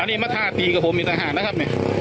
อันนี้มัธาตรีกับผมมีสังหารนะครับ